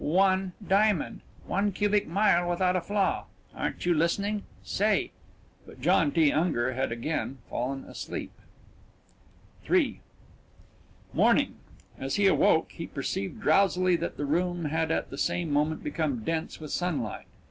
One diamond, one cubic mile without a flaw. Aren't you listening? Say " But John T. Unger had again fallen asleep. III Morning. As he awoke he perceived drowsily that the room had at the same moment become dense with sunlight.